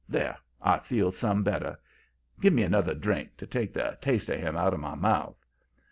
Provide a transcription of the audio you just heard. There! I feel some better. Give me another drink to take the taste of him out of my mouth.'